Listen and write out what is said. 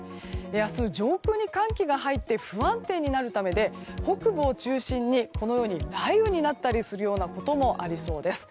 明日、上空に寒気が入って不安定になるためで北部を中心に雷雨になったりすることもありそうです。